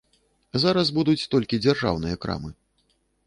Зараз будуць толькі дзяржаўныя крамы.